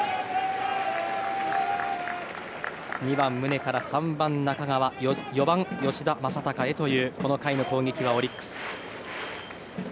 ２番、宗から３番、中川４番、吉田正尚へというこの回の攻撃、オリックス。